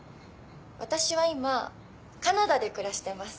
私は今カナダで暮らしてます